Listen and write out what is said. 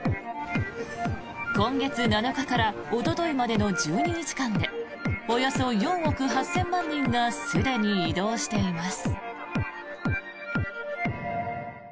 今月７日からおとといまでの１２日間でおよそ４億８０００万人がすでに移動しています。